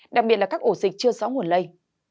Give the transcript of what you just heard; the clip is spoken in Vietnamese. đặc biệt là các ổ dịch chưa rõ nguồn lây